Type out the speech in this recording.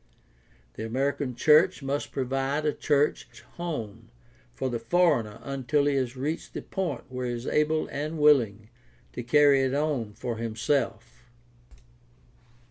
The American church must provide a church home for the foreigner until he has reached the point where he is able and willing to carry it on for himself.